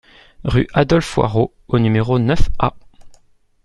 Rue Adolphe Hoareau au numéro neuf A